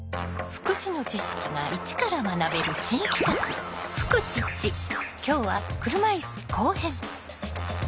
福祉の知識が一から学べる新企画今日は車いす後編。